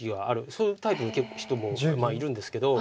そういうタイプの結構人もいるんですけど。